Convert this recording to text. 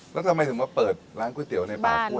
แล้วทำไมถึงมาเปิดร้านก๋วยเตี๋ยวในป่ากล้วย